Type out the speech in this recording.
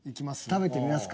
食べてみますか。